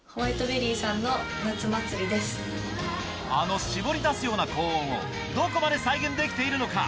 あの搾り出すような高音をどこまで再現できているのか？